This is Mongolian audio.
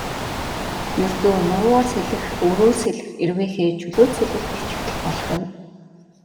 Ердөө нуруугаар сэлэх, өврөөр сэлэх, эрвээхэй, чөлөөт сэлэлт гэчихэд л болох юм.